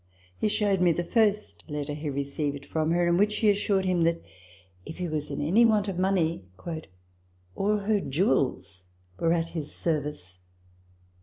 He showed me the first letter he re ceived from her ; in which she assured him that, if he was in any want of money, " all her jewels were at his service."